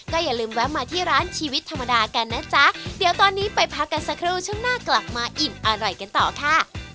อย่าลืมแวะมาที่ร้านชีวิตธรรมดากันนะจ๊ะเดี๋ยวตอนนี้ไปพักกันสักครู่ช่วงหน้ากลับมาอิ่มอร่อยกันต่อค่ะ